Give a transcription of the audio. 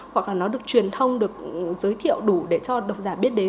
hoặc là nó được truyền thông được giới thiệu đủ để cho độc giả biết đến